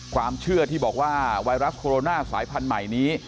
ความเชื่อที่บอกว่าไวรัสโคโรนาสายพันธุ์ใหม่นี้